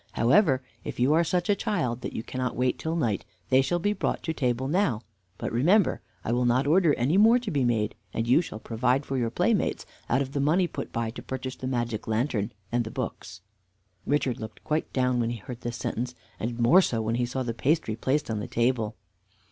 However, if you are such a child that you cannot wait till night, they shall be brought to table now; but, remember, I will not order any more to be made, and you shall provide for your playmates out of the money put by to purchase the magic lantern and the books." Richard looked quite down when he heard this sentence, and more so when he saw the pastry placed on the table.